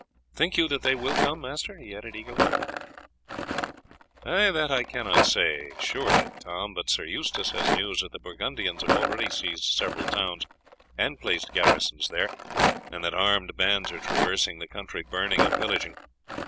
Think you that they will come, master?" he added eagerly. "That I cannot say surely, Tom; but Sir Eustace has news that the Burgundians have already seized several towns and placed garrisons there, and that armed bands are traversing the country, burning and pillaging.